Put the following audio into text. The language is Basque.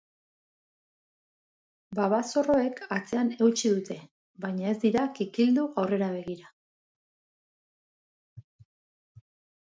Babazorroek atzean eutsi dute, baina ez dira kikildu aurrera begira.